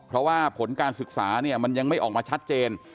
เพราะว่าผลการศึกษาเนี่ยมันยังไม่ออกมาชัดเจน